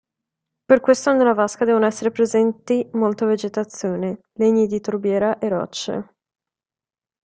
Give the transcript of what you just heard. Per questo nella vasca devono essere presenti molta vegetazione, legni di torbiera e rocce.